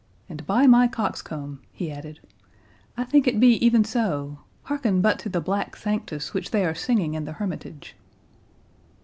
—And by my coxcomb," he added, "I think it be even so—Hearken but to the black sanctus which they are singing in the hermitage!"